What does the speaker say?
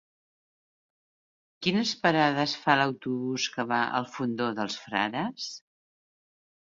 Quines parades fa l'autobús que va al Fondó dels Frares?